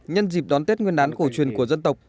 nhân dịp đón tết nguyên đán cổ truyền của dân tộc